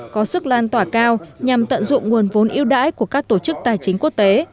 có sức lan tỏa cao nhằm tận dụng nguồn vốn yêu đãi của các tổ chức tài chính quốc tế